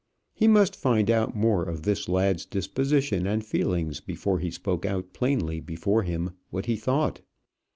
He must find out more of this lad's disposition and feelings before he spoke out plainly before him what he thought.